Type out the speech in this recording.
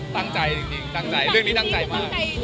ตั้งใจจริงตั้งใจเรื่องนี้ตั้งใจมาก